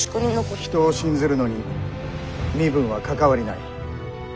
人を信ずるのに身分は関わりない。